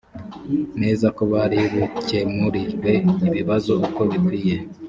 neza ko bari bukemurirwe ibibazo uko bikwiye